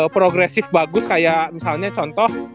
progresif bagus kayak misalnya contoh